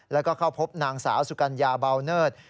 แล้วก็เข้าพบนางสาวสุกัญญาเบาเนิด